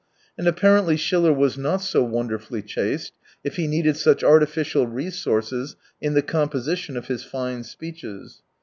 And apparently Schiller was not so wonderfully chaste, if he needed such artificial resources in the composition of his fine speeches.